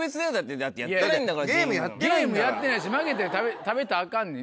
ゲームやってないし負けて食べたらアカンねん。